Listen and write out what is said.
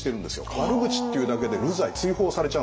悪口っていうだけで流罪追放されちゃうんですよ。